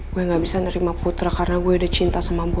gue gak bisa nerima putra karena gue udah cinta sama gue